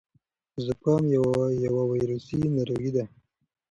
زکام یو ویروسي ناروغي ده.